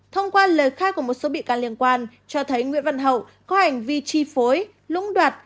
thông qua lời khai của một số bị can liên quan cho thấy nguyễn văn hậu có hành vi chi phối lũng đoạt